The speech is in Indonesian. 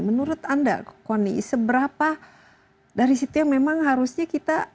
menurut anda koni seberapa dari situ yang memang harusnya kita